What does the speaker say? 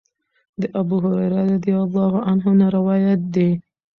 د ابوهريره رضی الله عنه نه روايت دی